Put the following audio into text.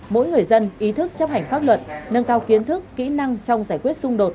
mỗi người dân ý thức chấp hành pháp luật nâng cao kiến thức kỹ năng trong giải quyết xung đột